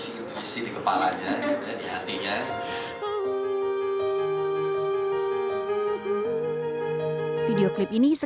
itu adalah seperti expresinya